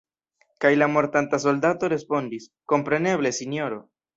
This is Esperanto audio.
Kaj la mortanta soldato respondis: “Kompreneble, sinjoro!